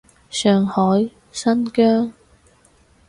上海，新疆